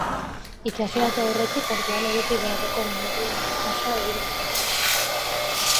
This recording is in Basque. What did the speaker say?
Itsasoratu aurretik kontuan eduki beharreko neurrien errepasoa egin dute.